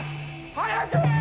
早く！